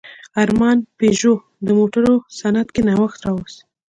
ارمان پيژو د موټرو صنعت کې نوښت راوست.